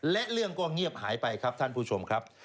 และเรื่องก็เงียบหายไปครับท่านผู้ชมครับ